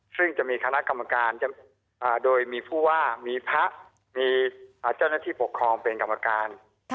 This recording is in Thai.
ซึ่งจะมีคณะกรรมการโดยมีผู้ว่ามีพระมีเจ้าหน้าที่ปกครองเป็นกรรมการ